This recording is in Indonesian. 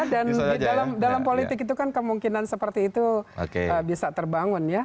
dan dalam politik itu kan kemungkinan seperti itu bisa terbangun ya